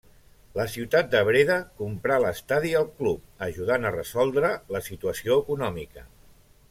La ciutat de Breda comprà l'estadi al club, ajudant a resoldre la situació econòmica.